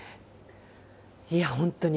いや本当に。